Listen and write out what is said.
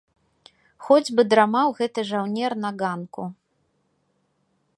Хоць бы драмаў гэты жаўнер на ганку.